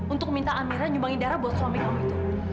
untuk minta amirnya nyumbangin darah buat suami kamu itu